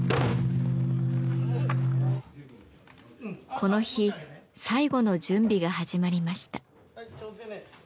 この日最後の準備が始まりました。